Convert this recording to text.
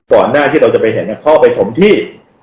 หน้าที่เราจะไปเห็นเข้าไปถมที่